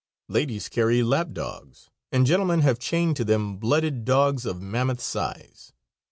Ladies carry lap dogs, and gentlemen have chained to them blooded, dogs of mammoth size.